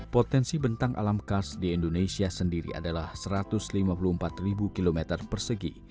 potensi bentang alam kars di indonesia sendiri adalah satu ratus lima puluh empat km persegi